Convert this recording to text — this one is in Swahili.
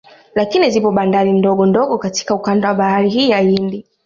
Lakini zipo bandari ndogo ndogo katika ukanda wa bahari hii ya Hindi